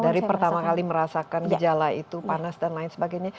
dari pertama kali merasakan gejala itu panas dan lain sebagainya